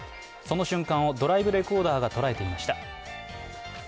その瞬間をドライブレコーダーが捉えていました。